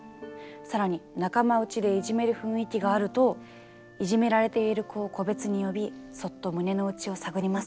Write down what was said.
更に仲間内でいじめる雰囲気があるといじめられている子を個別に呼びそっと胸の内を探ります。